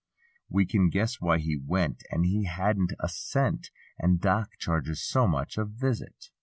We can guess why he went. As he hadn't a cent And Doc charges so much a visit.